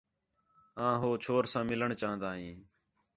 آں ہو چھور ساں مِلݨ چاہن٘دا ہیں